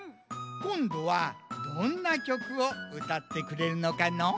こんどはどんなきょくをうたってくれるのかのう？